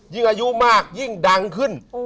ยิ่งอายุมากยิ่งดังขึ้น